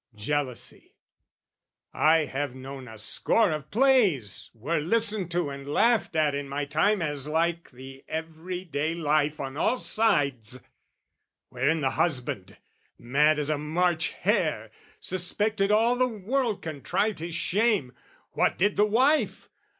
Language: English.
Jealousy! I have known a score of plays, Were listened to and laughed at in my time As like the everyday life on all sides, Wherein the husband, mad as a March hare, Suspected all the world contrived his shame; What did the wife?